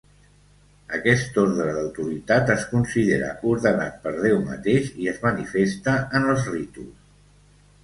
Aquest ordre d'autoritat es considera ordenat per Déu mateix i es manifesta en els ritus.